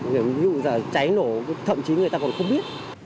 ví dụ là cháy nổ thậm chí người ta còn không biết